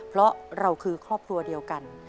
เพราะเราคือครอบครัวเดียวกัน